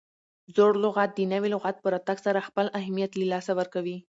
زوړ لغت د نوي لغت په راتګ سره خپل اهمیت له لاسه ورکوي.